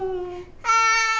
はい！